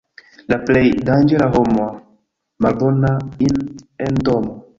La plej danĝera homo — malbona in' en domo.